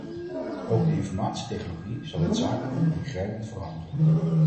Ook de informatietechnologie zal het zakendoen ingrijpend veranderen.